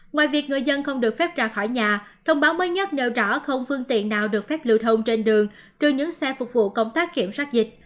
ngoài việc người dân không được phép ra khỏi nhà thông báo mới nhất nêu rõ không phương tiện nào được phép lưu thông trên đường trừ những xe phục vụ công tác kiểm soát dịch